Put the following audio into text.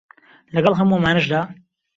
لەگەڵ هەموو ئەمانەشدا